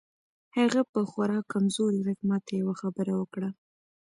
هغه په خورا کمزوري غږ ماته یوه خبره وکړه